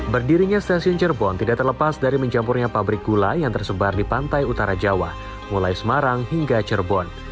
berdirinya stasiun cirebon tidak terlepas dari mencampurnya pabrik gula yang tersebar di pantai utara jawa mulai semarang hingga cirebon